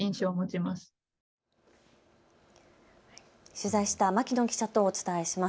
取材した牧野記者とお伝えします。